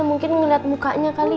mungkin ngeliat mukanya kali